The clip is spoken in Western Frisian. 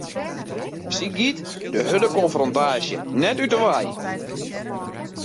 Sy giet de hurde konfrontaasje net út 'e wei.